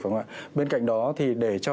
phải không ạ bên cạnh đó thì để cho